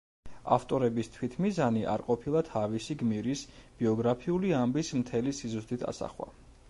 ავტორების თვითმიზანი არ ყოფილა თავისი გმირის ბიოგრაფიული ამბის მთელი სიზუსტით ასახვა.